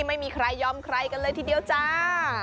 ไม่มีใครยอมใครกันเลยทีเดียวจ้า